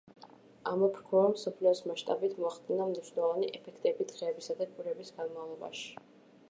ამოფრქვევამ მსოფლიოს მასშტაბით მოახდინა მნიშვნელოვანი ეფექტები დღეების და კვირების განმავლობაში.